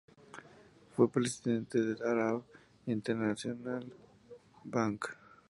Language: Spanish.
Fue presidente del "Arab International Bank".